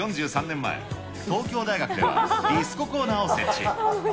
４３年前、東京大学ではディスココーナーを設置。